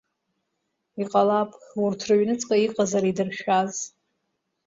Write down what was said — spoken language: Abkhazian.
Иҟалап, урҭ рыҩнуҵҟа иҟазар идыршәаз.